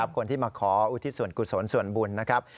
คนที่มาขออุทิศส่วนกุศลส่วนบุญนะครับ